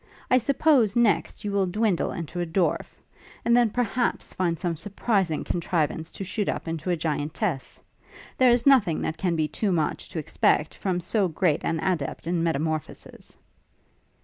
I suppose, next, you will dwindle into a dwarf; and then, perhaps, find some surprising contrivance to shoot up into a giantess. There is nothing that can be too much to expect from so great an adept in metamorphoses.'